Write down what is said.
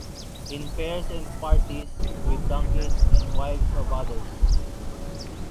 In fairs and parties, with donkeys and wives of others.